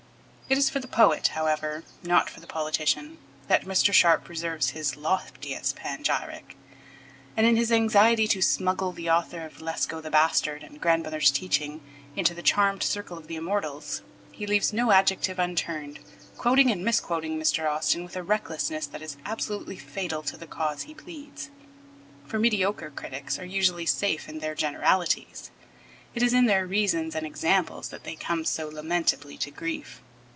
It is for the poet, however, not for the politician, that Mr. Sharp reserves his loftiest panegyric and, in his anxiety to smuggle the author of Leszko the Bastard and Grandmother's Teaching into the charmed circle of the Immortals, he leaves no adjective unturned, quoting and misquoting Mr. Austin with a recklessness that is absolutely fatal to the cause he pleads. For mediocre critics are usually safe in their generalities; it is in their reasons and examples that they come so lamentably to grief.